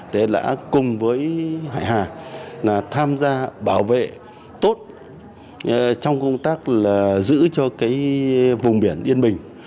đã cùng với hải hà tham gia bảo vệ tốt trong công tác giữ cho vùng biển yên bình